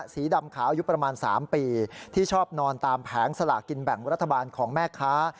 สีดำขาวอายุประมาณ๓ปีที่ชอบนอนตามแผงสลากินแบ่งรัฐบาลของแม่ค้า